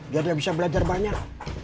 dia tidak bisa belajar banyak